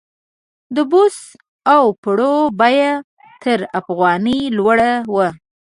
د بوسو او پړو بیه تر افغانۍ لوړه وه.